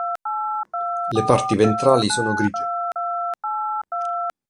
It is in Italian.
Le parti ventrali sono grigie.